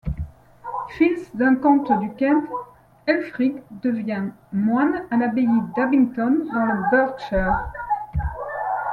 Fils d'un comte du Kent, Ælfric devient moine à l'abbaye d'Abingdon, dans le Berkshire.